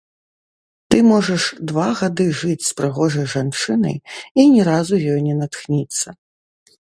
Ты можаш два гады жыць з прыгожай жанчынай і ні разу ёй не натхніцца.